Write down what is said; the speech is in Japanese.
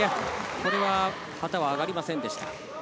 これは旗が上がりませんでした。